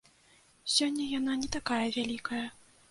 Сёння яна не такая вялікая.